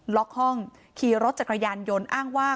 ล็อกห้องขี่รถจักรยานยนต์อ้างว่า